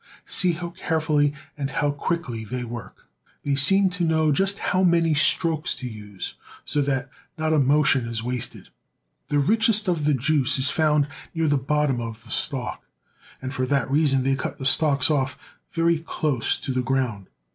See how carefully and how quickly they work! They seem to know just how many strokes to use, so that not a motion is wasted. The richest of the juice is found near the bottom of the stalk, and for that reason they cut the stalks off very close to the ground.